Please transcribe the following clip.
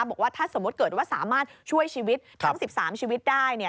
บอกว่าถ้าสมมติเกิดว่าสามารถช่วยชีวิตทั้ง๑๓ชีวิตได้